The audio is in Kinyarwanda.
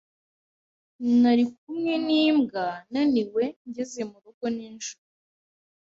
Nari kumwe n’imbwa naniwe ngeze murugo nijoro.